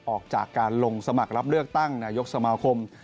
ออกจากการลงสมัครรับเลือกตั้งนายกสมาคม